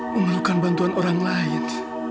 memerlukan bantuan orang lain